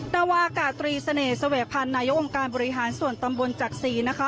นาวากาตรีเสน่หวพันธ์นายกองค์การบริหารส่วนตำบลจักษีนะคะ